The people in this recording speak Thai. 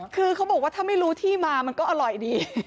คือเขาบอกว่าถ้าไม่รู้ที่มามันก็อร่อยดี